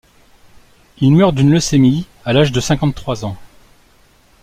Il meurt d'une leucémie à l'âge de cinquante-trois ans.